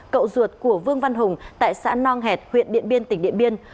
cậu ruột của vương văn hùng tại xã nong hẹt huyện điện biên tỉnh điện biên